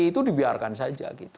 itu dibiarkan saja